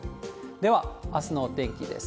では、あすのお天気です。